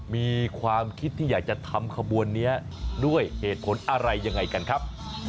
มีความคิดที่อยากจะทำขบวนนี้ด้วยเหตุผลอะไรยังไงกันครับ